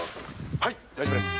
はい、大丈夫です。